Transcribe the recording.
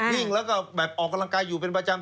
วิ่งแล้วก็แบบออกกำลังกายอยู่เป็นประจำ